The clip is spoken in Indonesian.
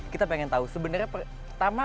kita pengen tahu sebenarnya pertama